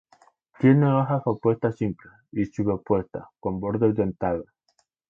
Tiene hojas opuestas simples, o subopuestas, con bordes dentados.